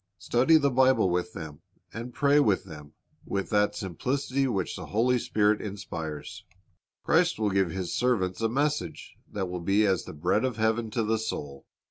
Study the Bible with them, and pray with them with that simplicity which the Holy Spirit ''Go info the Hi j^/iZi'ays" 235 inspires. Christ will give His servants a message that will be as the bread of heaven to the soul.